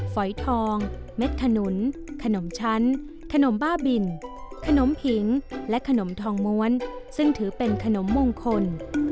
ฝอยทองเม็ดขนุนขนมชั้นขนมบ้าบินขนมผิงและขนมทองม้วนซึ่งถือเป็นขนมมงคล